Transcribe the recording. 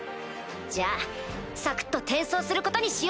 じゃあさくっと転送することにしよう。